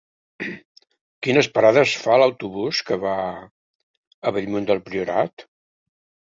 Quines parades fa l'autobús que va a Bellmunt del Priorat?